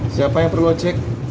siapa yang perlu cek